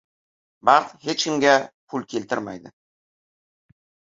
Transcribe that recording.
• Baxt hech kimga pul keltirmaydi.